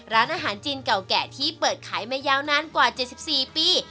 ร้านอาหารจีนเก่าแก่ที่เปิดขายมายาวนานกว่า๗๔ปี